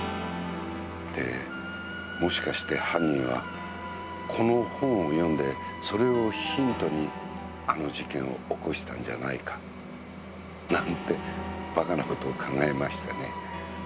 でもしかして犯人はこの本を読んでそれをヒントにあの事件を起こしたんじゃないかなんて馬鹿な事を考えましてね。